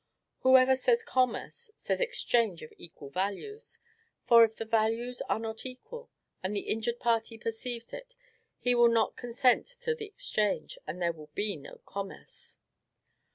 Whoever says commerce, says exchange of equal values; for, if the values are not equal, and the injured party perceives it, he will not consent to the exchange, and there will be no commerce.